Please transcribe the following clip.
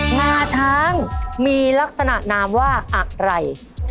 งาช้างมีลักษณะนามว่าอะไร